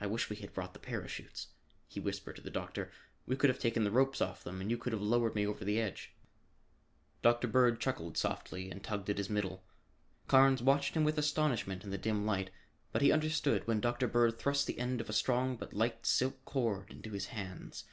"I wish we had brought the parachutes," he whispered to the doctor. "We could have taken the ropes off them and you could have lowered me over the edge." Dr. Bird chuckled softly and tugged at his middle. Carnes watched him with astonishment in the dim light, but he understood when Dr. Bird thrust the end of a strong but light silk cord into his hands.